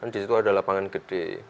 di situ ada lapangan gede